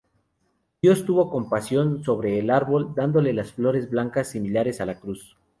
Dios tuvo compasión sobre el árbol, dándole las flores blancas similares a la cruz.